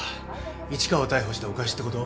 市川を逮捕したお返しってこと？